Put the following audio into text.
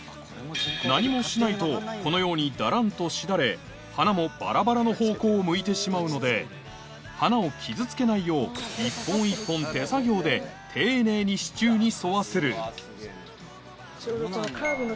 何もしないとこのようにだらんとしだれ花もバラバラの方向を向いてしまうので花を傷つけないよう一本一本この支柱のね。